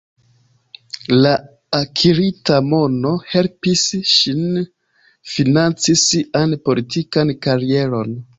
La akirita mono helpis ŝin financi sian politikan karieron.